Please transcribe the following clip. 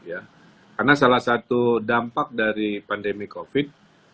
karena salah satu dampak dari pandemi covid